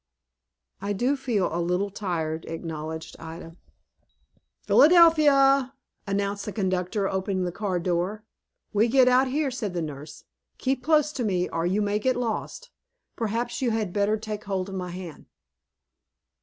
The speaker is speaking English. "I do feel a little tired," acknowledged Ida. "Philadelphia!" announced the conductor, opening the car door. "We get out, here," said the nurse. "Keep close to me, or you may get lost. Perhaps you had better take hold of my hand."